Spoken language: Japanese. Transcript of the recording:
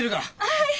はい！